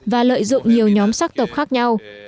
và lợi dụng nhiều nhóm sắc tộc khác nhau